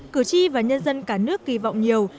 cử tri và nhân dân cả nước kỳ vọng nhiều